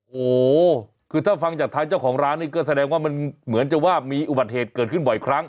โอ้โหคือถ้าฟังจากทางเจ้าของร้านนี่ก็แสดงว่ามันเหมือนจะว่ามีอุบัติเหตุเกิดขึ้นบ่อยครั้ง